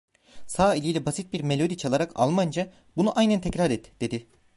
Sağ eliyle basit bir melodi çalarak Almanca: "Bunu aynen tekrar et!" dedi.